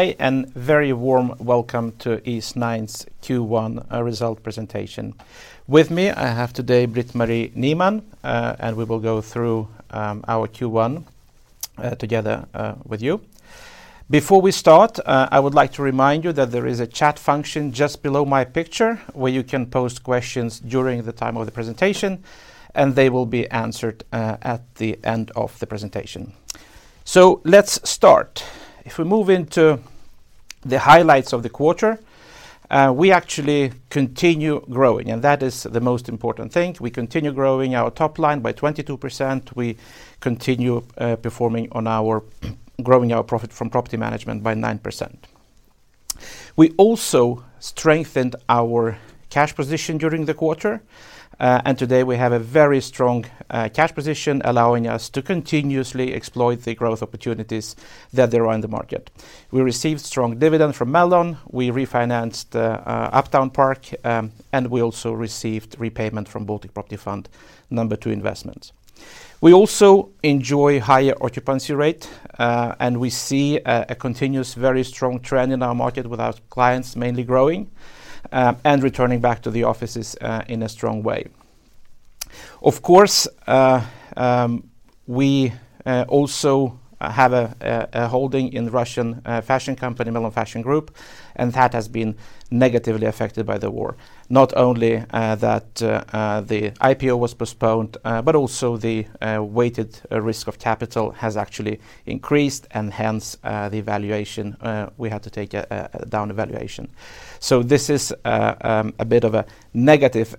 Hi, and very warm welcome to Eastnine's Q1 result presentation. With me, I have today Britt-Marie Nyman, and we will go through our Q1 together with you. Before we start, I would like to remind you that there is a chat function just below my picture where you can pose questions during the time of the presentation, and they will be answered at the end of the presentation. Let's start. If we move into the highlights of the quarter, we actually continue growing, and that is the most important thing. We continue growing our top line by 22%. We continue growing our profit from property management by 9%. We also strengthened our cash position during the quarter, and today we have a very strong cash position allowing us to continuously exploit the growth opportunities that there are in the market. We received strong dividends from Melon. We refinanced Uptown Park, and we also received repayment from Baltic Property Fund II investment. We also enjoy higher occupancy rate, and we see a continuous, very strong trend in our market with our clients mainly growing, and returning back to the offices, in a strong way. Of course, we also have a holding in Russian fashion company, Melon Fashion Group, and that has been negatively affected by the war. Not only that the IPO was postponed, but also the weighted risk of capital has actually increased and hence the valuation we had to take a down valuation. This is a bit of a negative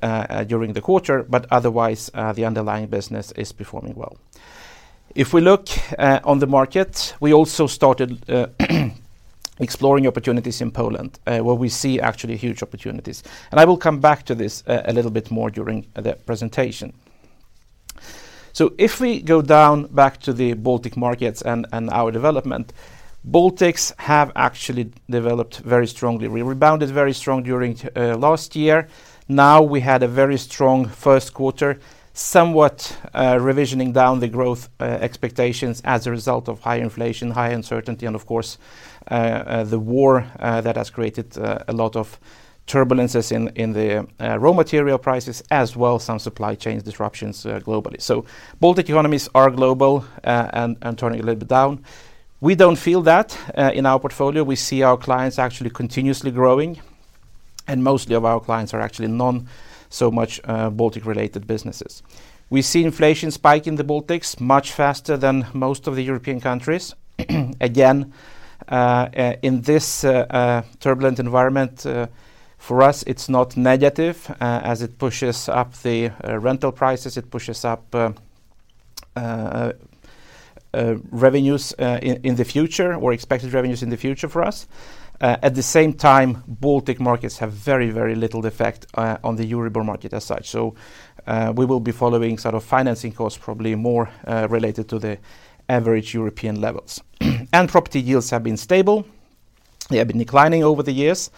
during the quarter, but otherwise the underlying business is performing well. If we look at the market, we also started exploring opportunities in Poland where we see actually huge opportunities. I will come back to this a little bit more during the presentation. If we go back to the Baltic markets and our development, Baltics have actually developed very strongly. We rebounded very strong during last year. Now we had a very strong first quarter, somewhat revising down the growth expectations as a result of high inflation, high uncertainty, and of course, the war that has created a lot of turbulence in the raw material prices, as well as some supply chain disruptions globally. Baltic economies are global and turning a little bit down. We don't feel that in our portfolio. We see our clients actually continuously growing, and most of our clients are actually not so much Baltic-related businesses. We see inflation spike in the Baltics much faster than most of the European countries. Again, in this turbulent environment, for us, it's not negative. As it pushes up the rental prices, it pushes up revenues in the future or expected revenues in the future for us. At the same time, Baltic markets have very, very little effect on the Euro bond market as such. We will be following sort of financing costs probably more related to the average European levels. Property yields have been stable. They have been declining over the years,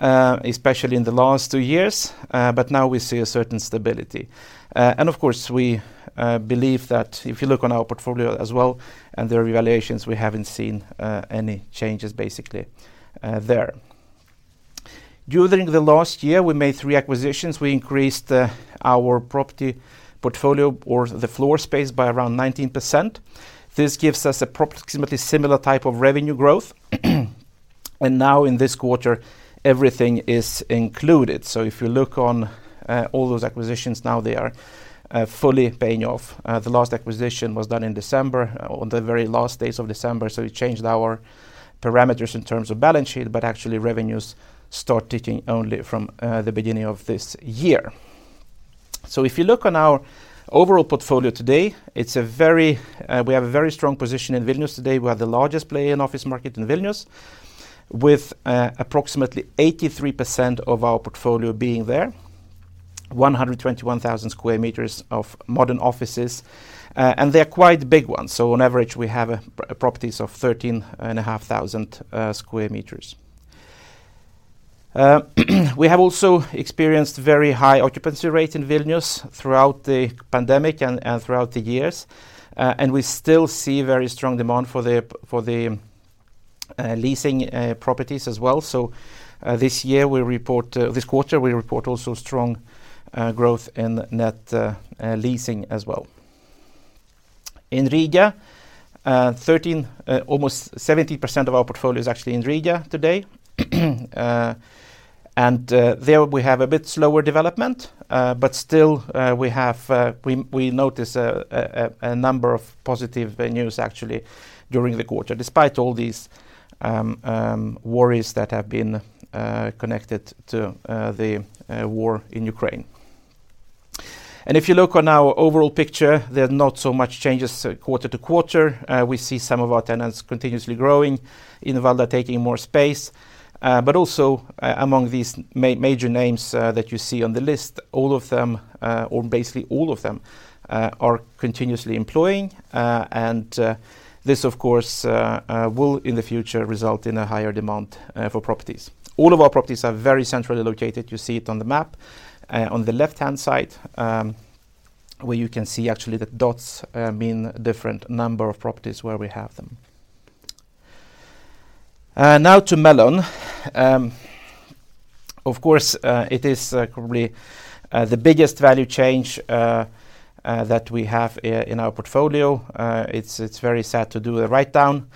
especially in the last two years, but now we see a certain stability. Of course, we believe that if you look on our portfolio as well and the revaluations, we haven't seen any changes basically there. During the last year, we made three acquisitions. We increased our property portfolio or the floor space by around 19%. This gives us approximately similar type of revenue growth. Now in this quarter, everything is included. If you look on all those acquisitions, now they are fully paying off. The last acquisition was done in December, on the very last days of December. We changed our parameters in terms of balance sheet, but actually revenues start ticking only from the beginning of this year. If you look on our overall portfolio today, we have a very strong position in Vilnius today. We are the largest player in office market in Vilnius with approximately 83% of our portfolio being there, 121,000 square meters of modern offices. They're quite big ones. On average, we have properties of 13,500 square meters. We have also experienced very high occupancy rate in Vilnius throughout the pandemic and throughout the years. We still see very strong demand for the leasing properties as well. This year we report this quarter we report also strong growth in net leasing as well. In Riga, 13, almost 70% of our portfolio is actually in Riga today. There we have a bit slower development, but still we notice a number of positive venues actually during the quarter, despite all these worries that have been connected to the war in Ukraine. If you look on our overall picture, there are not so much changes quarter to quarter. We see some of our tenants continuously growing, Invada taking more space. Among these major names that you see on the list, all of them or basically all of them are continuously employing. This of course will in the future result in a higher demand for properties. All of our properties are very centrally located. You see it on the map on the left-hand side. Where you can see actually the dots mean different number of properties where we have them. Now to Melon. Of course it is probably the biggest value change that we have in our portfolio. It's very sad to do a write-down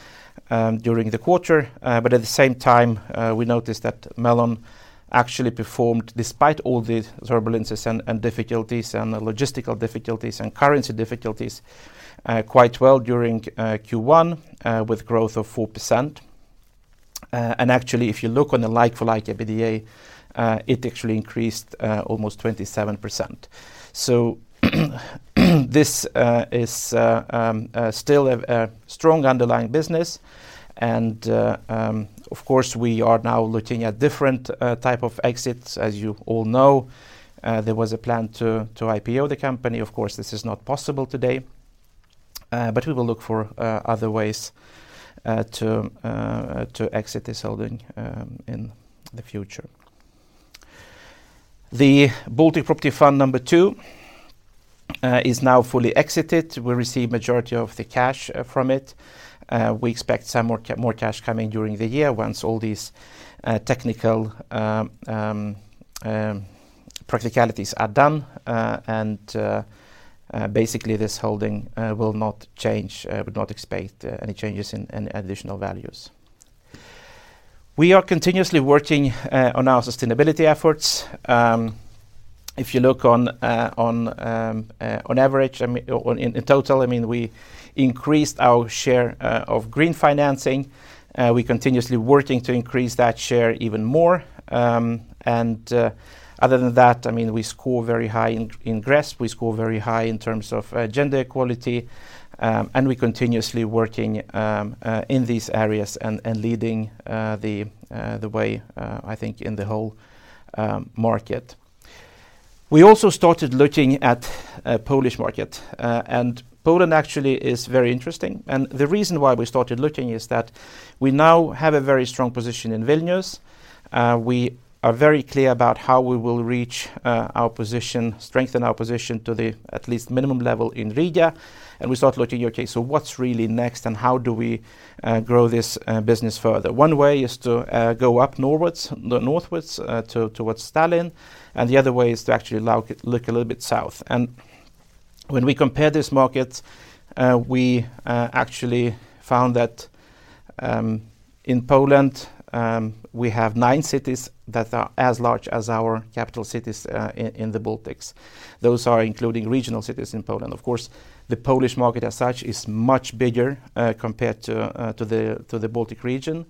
during the quarter. At the same time, we noticed that Melon actually performed despite all the turbulences and difficulties, and the logistical difficulties, and currency difficulties, quite well during Q1, with growth of 4%. Actually, if you look on the like-for-like EBITDA, it actually increased almost 27%. This is still a strong underlying business and, of course, we are now looking at different type of exits. As you all know, there was a plan to IPO the company. Of course, this is not possible today, but we will look for other ways to exit this holding in the future. The Baltic Property Fund II is now fully exited. We receive majority of the cash from it. We expect some more cash coming during the year once all these technical practicalities are done. Basically, this holding will not change. Would not expect any changes in additional values. We are continuously working on our sustainability efforts. If you look on average, or in total, I mean, we increased our share of green financing. We continuously working to increase that share even more. Other than that, I mean, we score very high in GRESB. We score very high in terms of gender equality, and we continuously working in these areas and leading the way, I think in the whole market. We also started looking at Polish market. Poland actually is very interesting. The reason why we started looking is that we now have a very strong position in Vilnius. We are very clear about how we will reach our position, strengthen our position to the at least minimum level in Riga. We start looking, okay, so what's really next and how do we grow this business further? One way is to go up northwards towards Tallinn, and the other way is to actually look a little bit south. When we compare this market, we actually found that in Poland we have nine cities that are as large as our capital cities in the Baltics. Those are including regional cities in Poland. Of course, the Polish market as such is much bigger, compared to the Baltic region.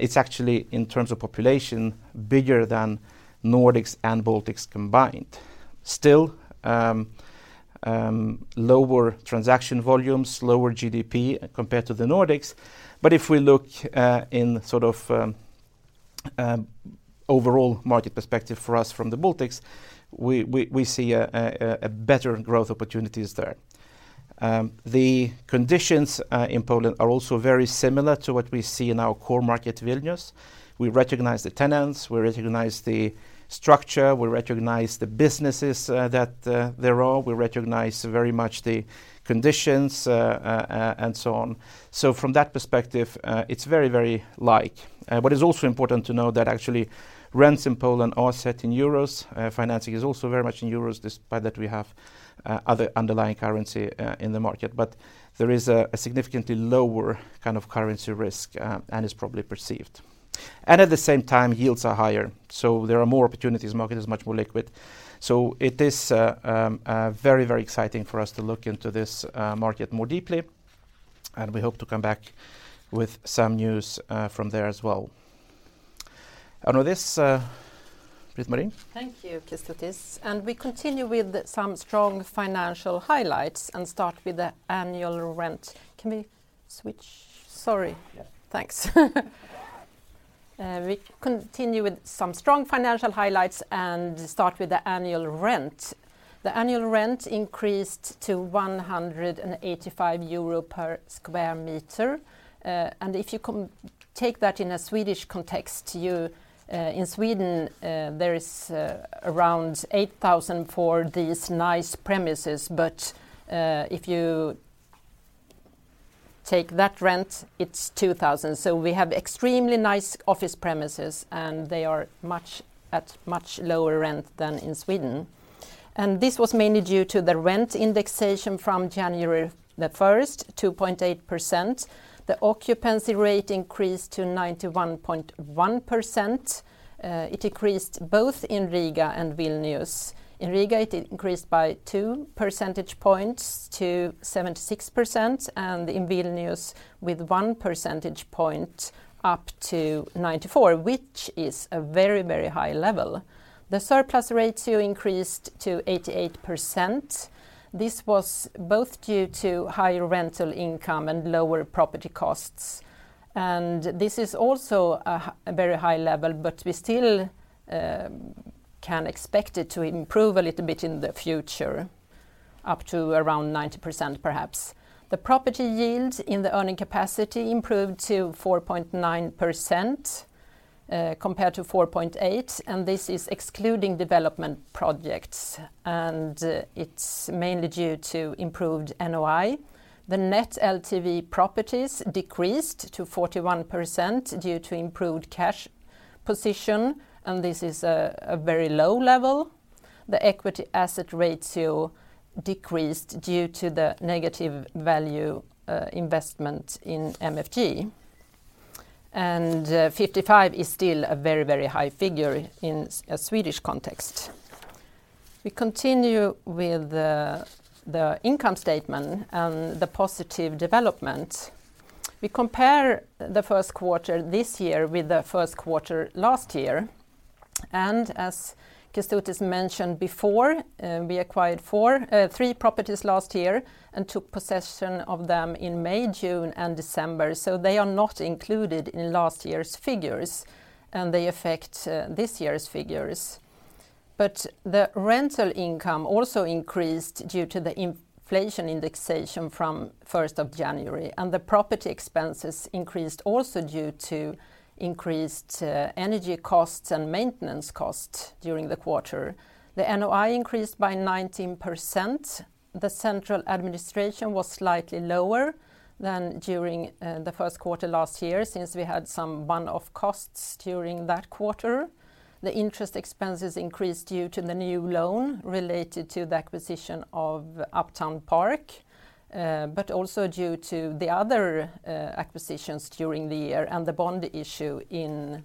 It's actually, in terms of population, bigger than Nordics and Baltics combined. Still, lower transaction volumes, lower GDP compared to the Nordics. If we look in sort of overall market perspective for us from the Baltics, we see a better growth opportunities there. The conditions in Poland are also very similar to what we see in our core market, Vilnius. We recognize the tenants, we recognize the structure, we recognize the businesses that there are. We recognize very much the conditions and so on. From that perspective, it's very alike. What is also important to know that actually rents in Poland are set in euros. Financing is also very much in euros, despite that we have other underlying currency in the market. There is a significantly lower kind of currency risk, and is probably perceived. At the same time, yields are higher, so there are more opportunities. Market is much more liquid. It is very, very exciting for us to look into this market more deeply, and we hope to come back with some news from there as well. With this, Britt-Marie. Thank you, Kestutis. We continue with some strong financial highlights, and start with the annual rent. Can we switch? Sorry. Yeah. Thanks. We continue with some strong financial highlights and start with the annual rent. The annual rent increased to 185 euro per sq m. If you compare that in a Swedish context, in Sweden there is around 8,000 SEK for these nice premises. If you take that rent, it's 2,000 SEK. We have extremely nice office premises, and they are at much lower rent than in Sweden. This was mainly due to the rent indexation from January 1, 2.8%. The occupancy rate increased to 91.1%. It increased both in Riga and Vilnius. In Riga, it increased by 2 percentage points to 76%, and in Vilnius with 1 percentage point up to 94%, which is a very, very high level. The surplus rates here increased to 88%. This was both due to higher rental income and lower property costs. This is also a very high level, but we still can expect it to improve a little bit in the future, up to around 90% perhaps. The property yield in the earning capacity improved to 4.9%, compared to 4.8%, and this is excluding development projects, and it's mainly due to improved NOI. The net LTV properties decreased to 41% due to improved cash position, and this is a very low level. The equity asset ratio decreased due to the negative value investment in MFG. Fifty-five is still a very, very high figure in a Swedish context. We continue with the income statement and the positive development. We compare the first quarter this year with the first quarter last year. As Kestutis mentioned before, we acquired three properties last year and took possession of them in May, June, and December. They are not included in last year's figures, and they affect this year's figures. The rental income also increased due to the inflation indexation from first of January, and the property expenses increased also due to increased energy costs and maintenance costs during the quarter. The NOI increased by 19%. The central administration was slightly lower than during the first quarter last year since we had some one-off costs during that quarter. The interest expenses increased due to the new loan related to the acquisition of Uptown Park, but also due to the other acquisitions during the year and the bond issue in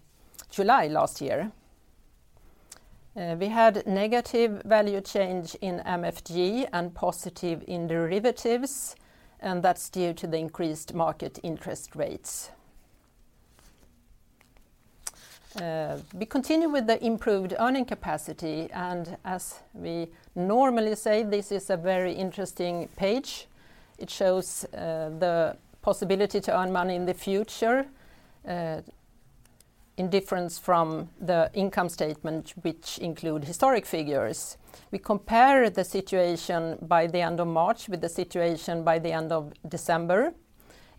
July last year. We had negative value change in MFG and positive in derivatives, and that's due to the increased market interest rates. We continue with the improved earning capacity, and as we normally say, this is a very interesting page. It shows the possibility to earn money in the future, different from the income statement which include historic figures. We compare the situation by the end of March with the situation by the end of December.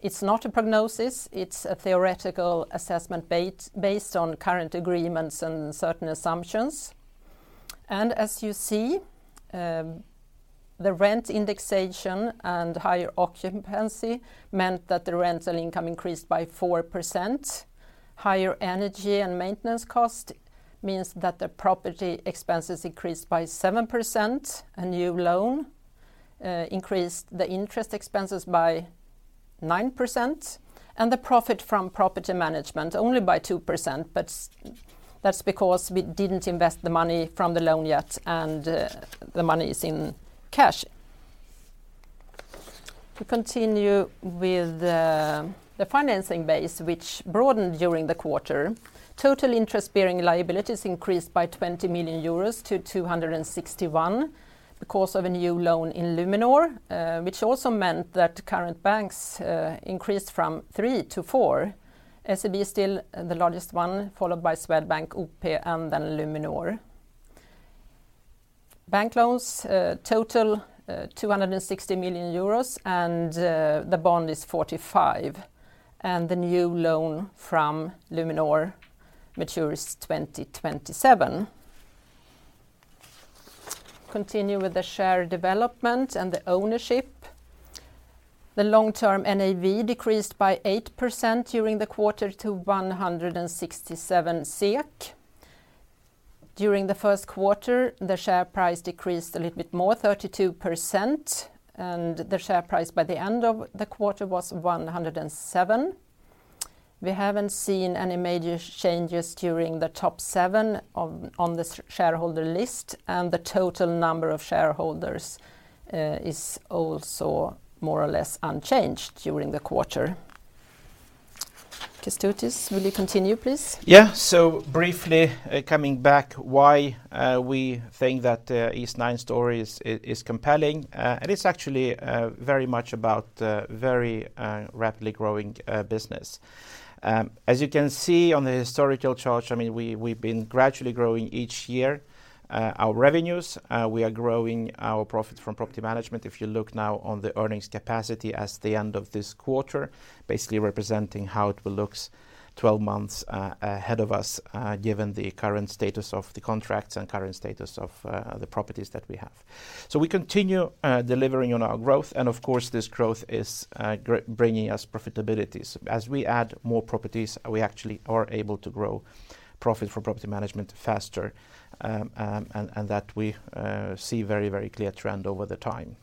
It's not a prognosis. It's a theoretical assessment based on current agreements and certain assumptions. As you see, the rent indexation and higher occupancy meant that the rental income increased by 4%. Higher energy and maintenance cost means that the property expenses increased by 7%. A new loan increased the interest expenses by 9%, and the profit from property management only by 2%, but that's because we didn't invest the money from the loan yet and the money is in cash. We continue with the financing base which broadened during the quarter. Total interest-bearing liabilities increased by 20 million euros to 261 million because of a new loan in Luminor, which also meant that current banks increased from three to four. SEB is still the largest one, followed by Swedbank, OP, and then Luminor. Bank loans total 260 million euros and the bond is 45 million, and the new loan from Luminor matures 2027. Continue with the share development and the ownership. The long-term NAV decreased by 8% during the quarter to 167 SEK. During the first quarter, the share price decreased a little bit more, 32%, and the share price by the end of the quarter was 107 SEK. We haven't seen any major changes to the top seven on the shareholder list, and the total number of shareholders is also more or less unchanged during the quarter. Kestutis, will you continue, please? Yeah. Briefly, coming back to why we think that Eastnine story is compelling, and it's actually very much about the very rapidly growing business. As you can see on the historical chart, I mean, we've been gradually growing each year our revenues. We are growing our profit from property management. If you look now on the earning capacity at the end of this quarter, basically representing how it will look 12 months ahead of us, given the current status of the contracts and current status of the properties that we have. We continue delivering on our growth, and of course, this growth is bringing us profitabilities. As we add more properties, we actually are able to grow profit from property management faster, and that we see very clear trend over time.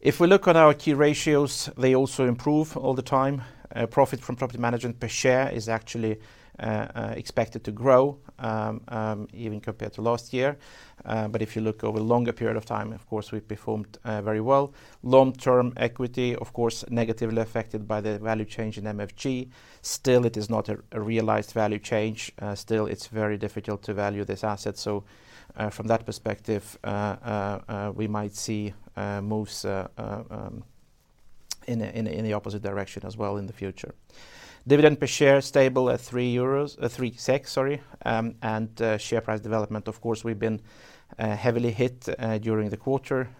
If we look at our key ratios, they also improve all the time. Profit from property management per share is actually expected to grow even compared to last year. If you look over a longer period of time, of course, we've performed very well. Long-term equity, of course, negatively affected by the value change in MFG. Still, it is not a realized value change. Still, it's very difficult to value this asset. From that perspective, we might see moves in the opposite direction as well in the future. Dividend per share stable at 3 SEK, sorry. Share price development, of course, we've been heavily hit during the quarter,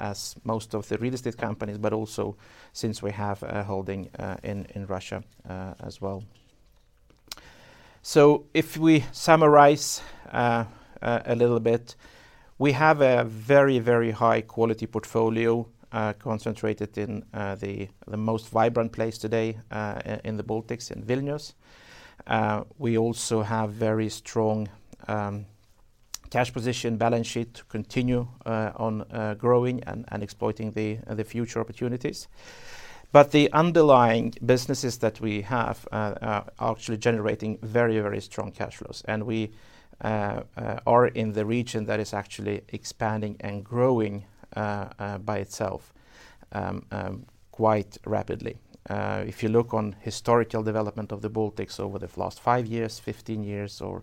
as most of the real estate companies, but also since we have a holding in Russia as well. If we summarize a little bit, we have a very, very high quality portfolio concentrated in the most vibrant place today in the Baltics in Vilnius. We also have very strong cash position, balance sheet to continue on growing and exploiting the future opportunities. The underlying businesses that we have are actually generating very, very strong cash flows. We are in the region that is actually expanding and growing by itself quite rapidly. If you look on historical development of the Baltics over the last five years, 15 years or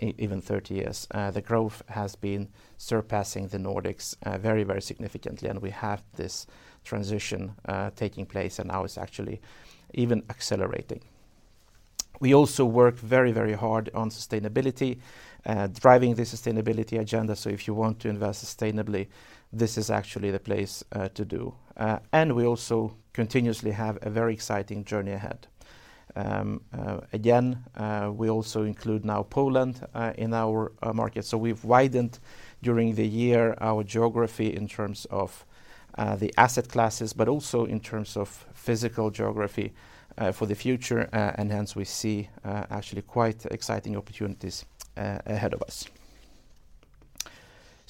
even 30 years, the growth has been surpassing the Nordics very, very significantly. We have this transition taking place, and now it's actually even accelerating. We also work very, very hard on sustainability, driving the sustainability agenda. If you want to invest sustainably, this is actually the place to do. We also continuously have a very exciting journey ahead. Again, we also include now Poland in our market. We've widened during the year our geography in terms of the asset classes, but also in terms of physical geography for the future. Hence we see actually quite exciting opportunities ahead of us.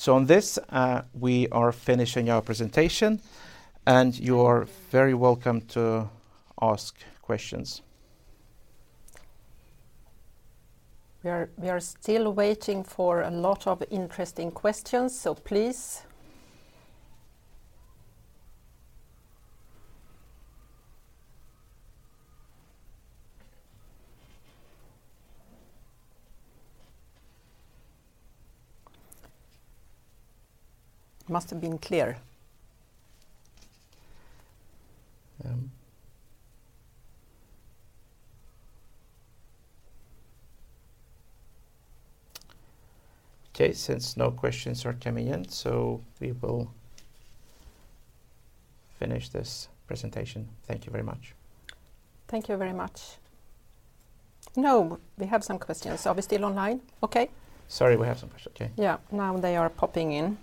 On this, we are finishing our presentation, and you're very welcome to ask questions. We are still waiting for a lot of interesting questions. Please. It must have been clear. Okay. Since no questions are coming in, so we will finish this presentation. Thank you very much. Thank you very much. No, we have some questions. Are we still online? Okay. Sorry, we have some questions. Okay. Yeah. Now they are popping in.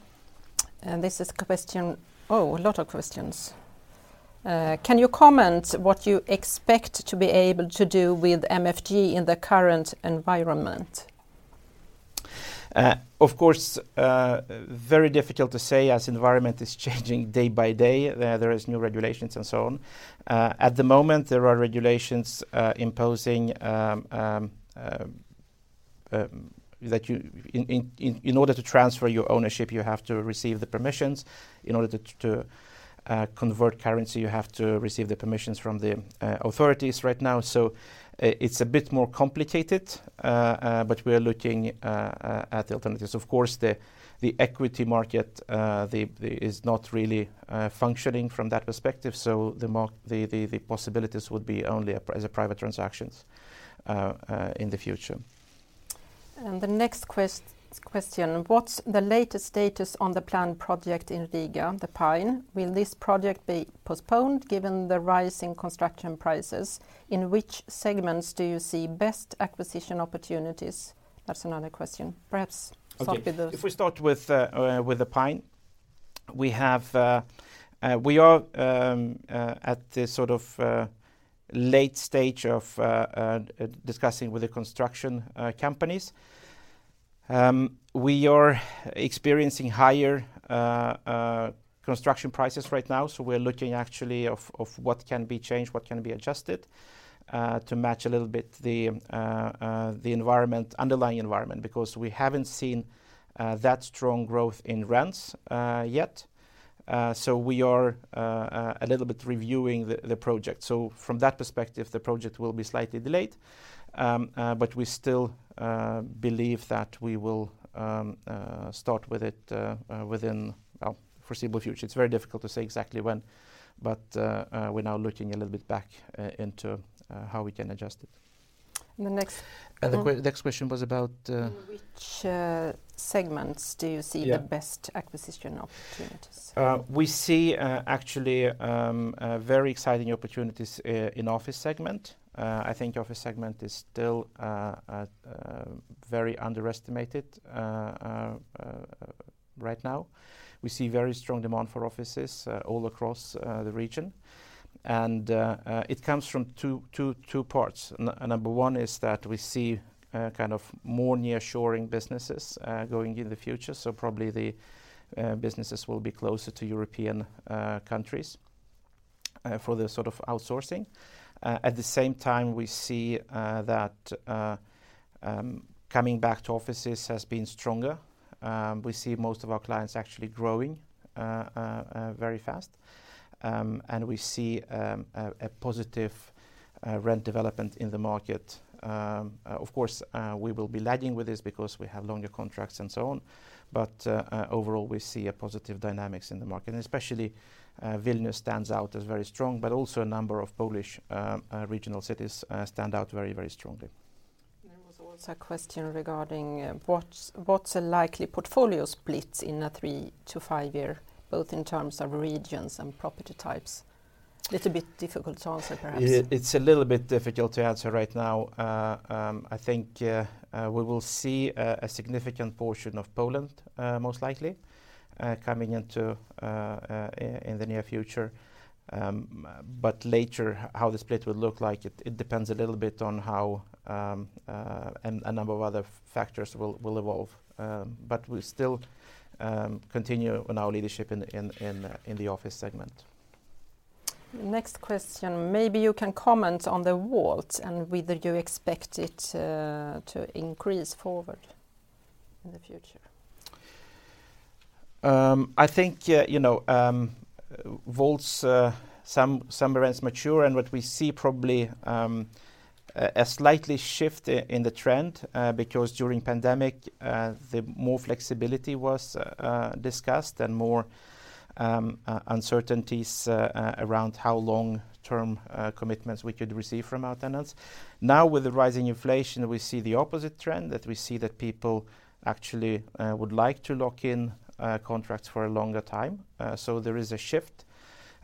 This is question. Oh, a lot of questions. Can you comment what you expect to be able to do with MFG in the current environment? Of course, very difficult to say as environment is changing day by day. There is new regulations and so on. At the moment, there are regulations imposing that in order to transfer your ownership, you have to receive the permissions. In order to convert currency, you have to receive the permissions from the authorities right now. It's a bit more complicated, but we are looking at alternatives. Of course, the equity market is not really functioning from that perspective. The possibilities would be only as private transactions in the future. The next question, what's the latest status on the planned project in Riga, The Pine? Will this project be postponed given the rise in construction prices? In which segments do you see best acquisition opportunities? That's another question. Perhaps start with those. Okay. If we start with The Pine, we are at the sort of late stage of discussing with the construction companies. We are experiencing higher construction prices right now, so we're looking actually at what can be changed, what can be adjusted to match a little bit the environment, underlying environment, because we haven't seen that strong growth in rents yet. We are a little bit reviewing the project. From that perspective, the project will be slightly delayed. We still believe that we will start with it within well foreseeable future. It's very difficult to say exactly when, but we're now looking a little bit back into how we can adjust it. The next one. The next question was about. In which segments do you see the best acquisition opportunities? We see actually very exciting opportunities in office segment. I think office segment is still very underestimated right now. We see very strong demand for offices all across the region. It comes from two parts. Number one is that we see kind of more nearshoring businesses going in the future. Probably the businesses will be closer to European countries for the sort of outsourcing. At the same time, we see that coming back to offices has been stronger. We see most of our clients actually growing very fast. We see a positive rent development in the market. Of course, we will be lagging with this because we have longer contracts and so on. Overall, we see a positive dynamics in the market, and especially, Vilnius stands out as very strong, but also a number of Polish regional cities stand out very, very strongly. There was also a question regarding what's a likely portfolio split in a three- to five-year, both in terms of regions and property types? Little bit difficult to answer perhaps. Yeah, it's a little bit difficult to answer right now. I think we will see a significant portion of Poland most likely coming into in the near future. Later how the split will look like, it depends a little bit on how and a number of other factors will evolve. We still continue on our leadership in the office segment. Next question. Maybe you can comment on the WALT and whether you expect it to increase forward in the future? I think you know a lot's some remain to mature, and what we see probably a slight shift in the trend because during pandemic the more flexibility was discussed and more uncertainties around how long-term commitments we could receive from our tenants. Now with the rising inflation, we see the opposite trend, that we see that people actually would like to lock in contracts for a longer time. There is a shift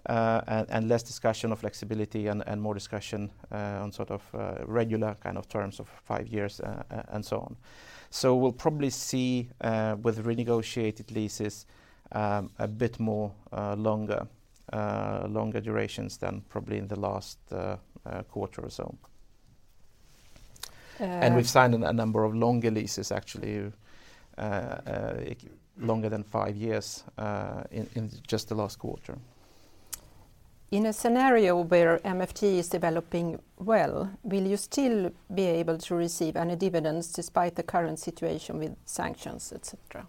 and less discussion of flexibility and more discussion on sort of regular kind of terms of five years and so on. We'll probably see with renegotiated leases a bit more longer durations than probably in the last quarter or so. Uh- We've signed a number of longer leases actually, longer than five years, in just the last quarter. In a scenario where MFG is developing well, will you still be able to receive any dividends despite the current situation with sanctions, et cetera?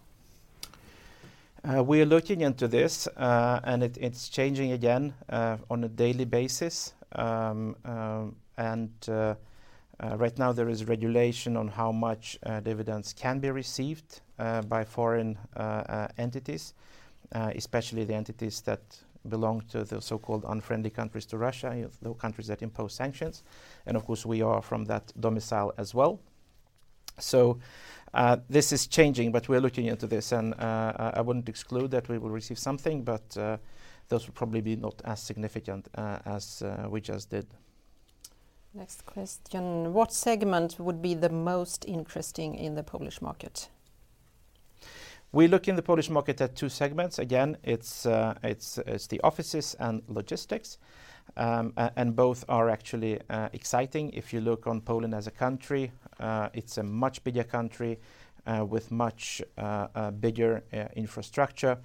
We are looking into this, and it's changing again on a daily basis. Right now there is regulation on how much dividends can be received by foreign entities, especially the entities that belong to the so-called unfriendly countries to Russia, you know, countries that impose sanctions, and of course we are from that domicile as well. This is changing, but we are looking into this and I wouldn't exclude that we will receive something, but those will probably be not as significant as we just did. Next question. What segment would be the most interesting in the Polish market? We look in the Polish market at two segments. Again, it's the offices and logistics. Both are actually exciting. If you look on Poland as a country, it's a much bigger country with much bigger infrastructure.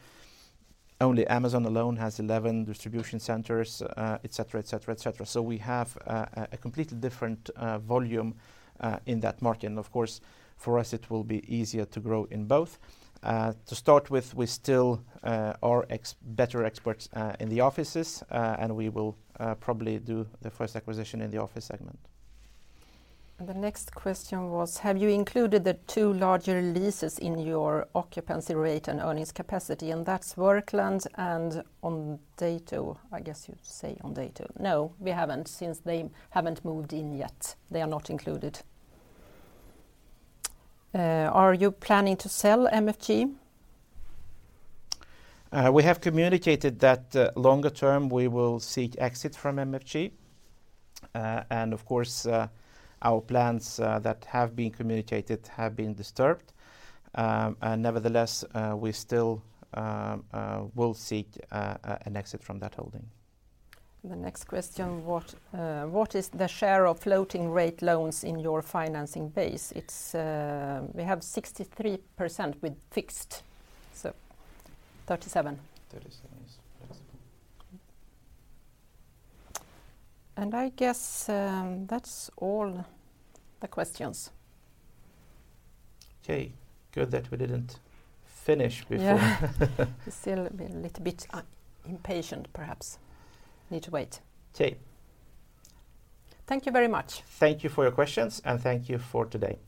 Only Amazon alone has 11 distribution centers, et cetera. So we have a completely different volume in that market. Of course for us it will be easier to grow in both. To start with, we still are better experts in the offices, and we will probably do the first acquisition in the office segment. The next question was, "Have you included the two larger leases in your occupancy rate and earnings capacity?" That's Workland and Ondato, I guess you'd say Ondato. No, we haven't since they haven't moved in yet. They are not included. Are you planning to sell MFG? We have communicated that, longer term we will seek exit from MFG. Of course, our plans that have been communicated have been disturbed. Nevertheless, we still will seek an exit from that holding. The next question, "What is the share of floating rate loans in your financing base?" It's. We have 63% with fixed, so 37%. 37, yes. I guess, that's all the questions. Okay. Good that we didn't finish before. Yeah. We still be a little bit impatient perhaps. Need to wait. Okay. Thank you very much. Thank you for your questions, and thank you for today.